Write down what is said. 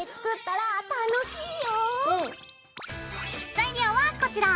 材料はこちら。